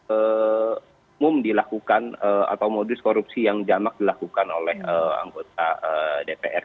umum dilakukan atau modus korupsi yang jamak dilakukan oleh anggota dpr